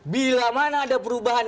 bila mana ada perubahan